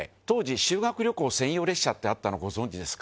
郝修学旅行専用列車ってあったのご存じですか？